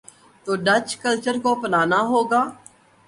تو Dutch culture کو اپنا نا ہو گا۔